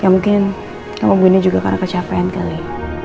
ya mungkin kamu bunuh juga karena kecapean kali